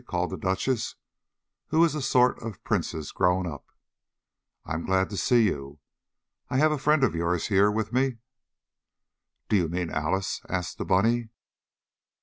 called the Duchess, who is a sort of princess grown up. "I'm glad to see you. I have a friend of yours here with me!" "Do you mean Alice?" asked the bunny.